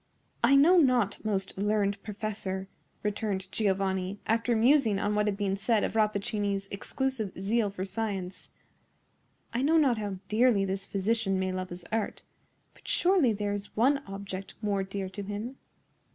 "I know not, most learned professor," returned Giovanni, after musing on what had been said of Rappaccini's exclusive zeal for science,—"I know not how dearly this physician may love his art; but surely there is one object more dear to him.